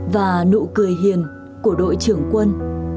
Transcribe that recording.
và nụ cười hiền của đội trưởng quân